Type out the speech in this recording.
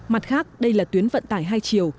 mặt khác đây là tuyến vận tải hai chiều